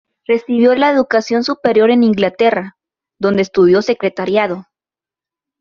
Recibió la educación superior en Inglaterra, donde estudió secretariado.